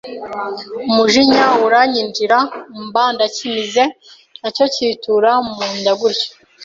umujinya uranyinjira mba ndacyimize nacyo cyitura mu nda gutyo